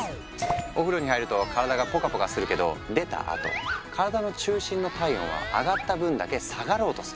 お風呂に入ると体がぽかぽかするけど出たあと体の中心の体温は上がった分だけ下がろうとする。